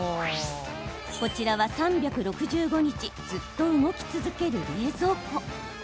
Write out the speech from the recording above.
こちらは、３６５日ずっと動き続ける冷蔵庫。